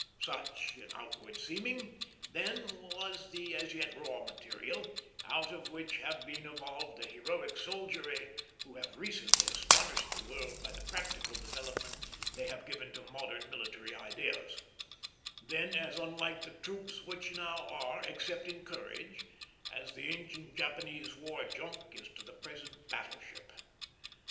Such, in outward seeming, then was the as yet raw material, out of which have been evolved the heroic soldiery who have recently astonished the world by the practical development they have given to modern military ideas; then as unlike the troops which now are, except in courage, as the ancient Japanese war junk is to the present battle ship.